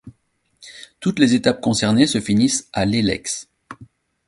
Toutes les étapes concernées se finissent à Lélex.